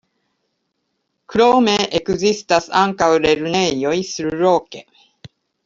Krome ekzistas ankaŭ lernejoj surloke.